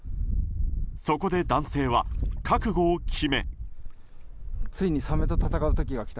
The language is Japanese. そこで男性は覚悟を決め。